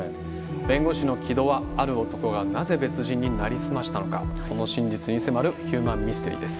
弁護士の城戸はある男がなぜ別人に成り済ましたのかその真実に迫るヒューマンミステリーです。